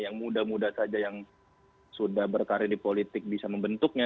yang muda muda saja yang sudah berkarir di politik bisa membentuknya